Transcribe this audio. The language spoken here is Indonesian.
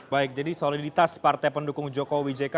baik jadi soliditas partai pendukung jokowi jk